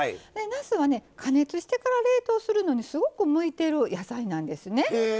なすは加熱してから冷凍するのにすごく向いてる野菜なんですね。